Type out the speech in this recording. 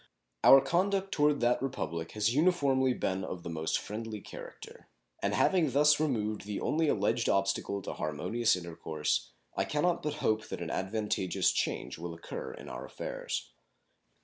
Our conduct toward that Republic has been uniformly of the most friendly character, and having thus removed the only alleged obstacle to harmonious intercourse, I can not but hope that an advantageous change will occur in our affairs.